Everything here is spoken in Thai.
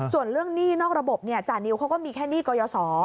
ส่วนเรื่องหนี้นอกระบบจานิวเขาก็มีแค่หนี้กยศ